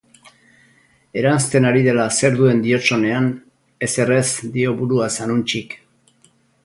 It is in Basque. Eranzten ari dela zer duen diotsonean, ezer ez, dio buruaz Anuntxik.